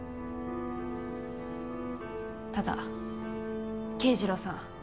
ただ経二郎さん。